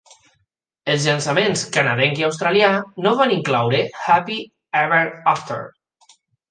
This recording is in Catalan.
Els llançaments canadenc i australià no van incloure "Happy Ever After".